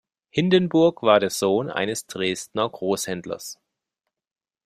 Hindenburg war der Sohn eines Dresdner Großhändlers.